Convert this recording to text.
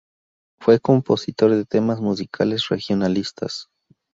Fue compositor de temas musicales regionalistas.